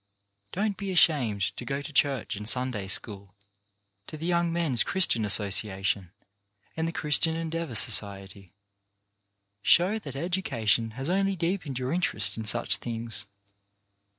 Don't be ashamed to go to church and Sunday school, to the Young Men's Christian Association and the Christian Endeavour Society. Show that education has only deepened your interest in such things.